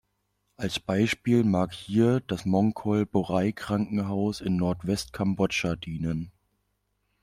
Als Beispiel mag hier das Monkol-Borei-Krankenhaus in Nordwest Kambodscha dienen.